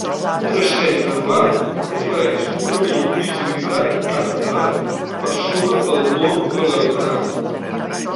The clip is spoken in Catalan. Un ascens gradual ofereix una millor visibilitat cap endavant per sobre del morro de l'aeronau.